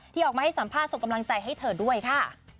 ออกมาให้สัมภาษณ์ส่งกำลังใจให้เธอด้วยค่ะ